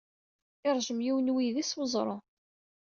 Yeṛjem yiwen n weydi s weẓru.